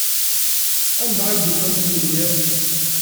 Anda ay d-ufant Yidir?